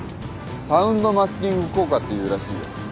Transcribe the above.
サウンドマスキング効果っていうらしいよ。